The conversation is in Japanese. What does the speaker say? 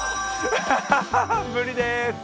無理でーす。